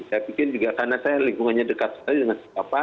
saya pikir juga karena saya lingkungannya dekat sekali dengan siapa